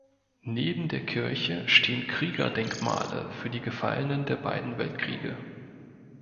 Neben der Kirche stehen Kriegerdenkmale für die Gefallenen der beiden Weltkriege.